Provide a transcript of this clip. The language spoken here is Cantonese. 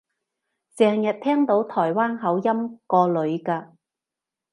成日聽到台灣口音個女嘅